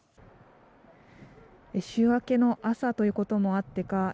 週明けの朝ということもあってか